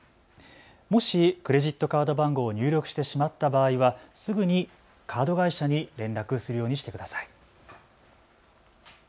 もしクレジットカード番号を入力してしまった場合はすぐにカード会社に連絡するようにしてください。